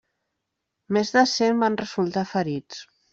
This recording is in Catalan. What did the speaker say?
Més de cent van resultar ferits.